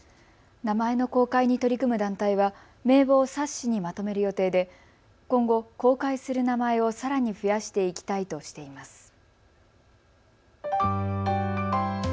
名前の公開に取り組む団体は名簿を冊子にまとめる予定で今後、公開する名前をさらに増やしていきたいとしています。